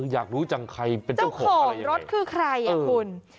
อยากรู้จังใครเป็นเจ้าของรถคือใครอ่ะคุณ